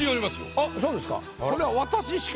あっそうですか。